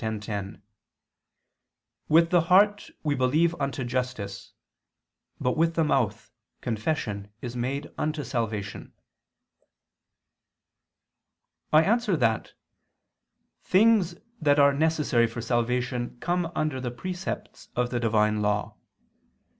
10:10): "With the heart we believe unto justice; but with the mouth, confession is made unto salvation." I answer that, Things that are necessary for salvation come under the precepts of the Divine law.